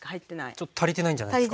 ちょっと足りてないんじゃないですか？